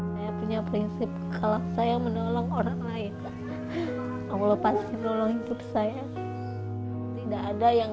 saya punya prinsip kalau saya menolong orang lain allah pasti menolong hidup saya tidak ada yang